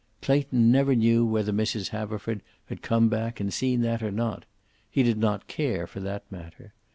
Clayton never knew whether Mrs. Haverford had come back and seen that or not. He did not care, for that matter.